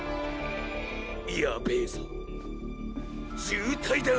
やべえぞ渋滞だ。